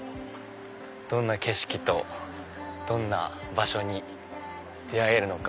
どんな景色とどんな場所に出会えるのか。